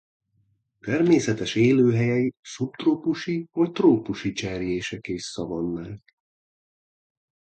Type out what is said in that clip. Természetes élőhelyei a szubtrópusi vagy trópusi cserjések és szavannák.